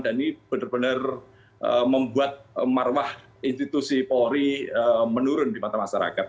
dan ini benar benar membuat marwah institusi polri menurun di mata masyarakat